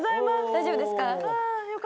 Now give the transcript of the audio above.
大丈夫ですか？